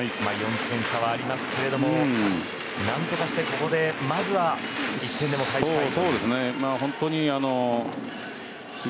４点差はありますけれども何とかしてここでまずは１点でも返したい。